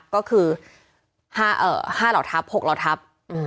ก็คือ๕เหล่าทัพ๖เหล่าทัพ